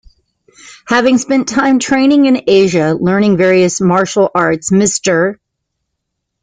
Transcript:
Having spent time training in Asia learning various martial arts, Mr.